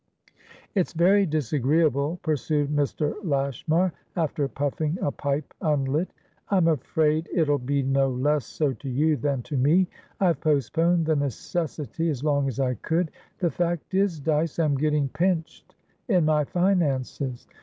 "It's very disagreeable," pursued Mr. Lashmar, after puffing a pipe unlit. "I'm afraid it'll be no less so to you than to me. I've postponed the necessity as long as I could. The fact is, Dyce, I'm getting pinched in my finances.